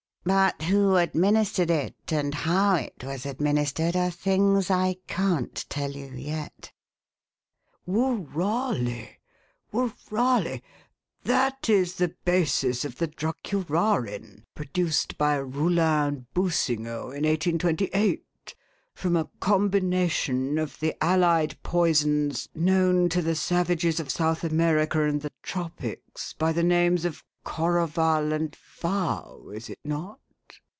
But who administered it and how it was administered are things I can't tell you yet." "Woorali! Woorali! That is the basis of the drug curarin, produced by Roulin and Boussingault in 1828 from a combination of the allied poisons known to the savages of South America and of the tropics by the names of corroval and vao, is it not?"